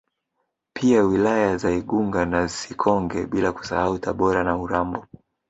Pia wilaya za Igunga na Sikonge bila kusahau Tabora na Urambo